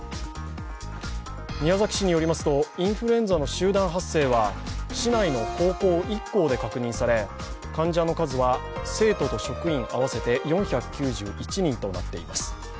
宮崎市によりますと、インフルエンザの集団発生は市内の高校１校で確認され患者の数は生徒と職員合わせて４９１人となっています。